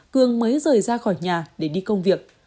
cường mới rời ra khỏi nhà để đi công việc